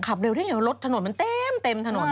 ขับเร็วที่ไหนรถถนนมันเต็มถนน